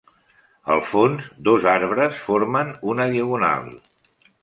Al fons, dos arbres formen una diagonal.